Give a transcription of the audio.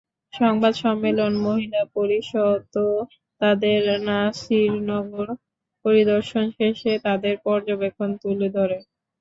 সংবাদ সম্মেলনে মহিলা পরিষদও তাদের নাসিরনগর পরিদর্শন শেষে তাদের পর্যবেক্ষণ তুলে ধরে।